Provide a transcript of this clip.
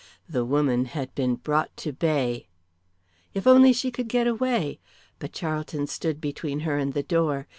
The woman had been brought to bay. If she could only get away! But Charlton stood between her and the door.